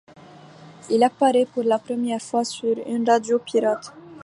Il apparait pour la première fois sur une radio pirate.